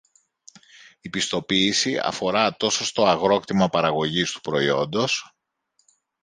Η πιστοποίηση αφορά τόσο στο αγρόκτημα παραγωγής του προϊόντος